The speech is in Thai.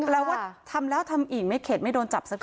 ว่าทำแล้วทำอีกไม่เข็ดไม่โดนจับสักที